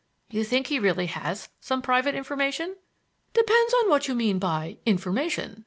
"You think he really has some private information?" "Depends upon what you mean by 'information.'